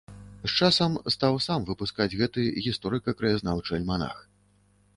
З часам стаў сам выпускаць гэты гісторыка-краязнаўчы альманах.